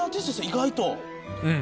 意外と。